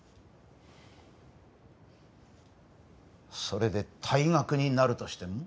それで退学になるとしても？